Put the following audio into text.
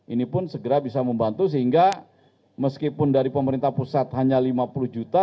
ini pun segera bisa membantu sehingga meskipun dari pemerintah pusat hanya lima puluh juta